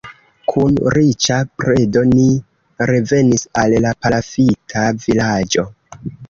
Kun riĉa predo ni revenis al la palafita vilaĝo.